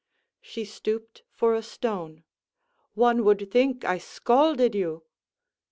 she stooped for a stone "one would think I scalded you."